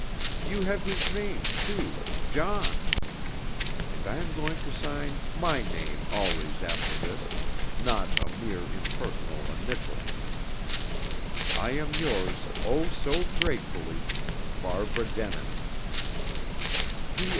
You have his name, too, 'John.' And I am going to sign my name always after this, not a mere impersonal initial. "I am yours, oh, so gratefully, Barbara Denin.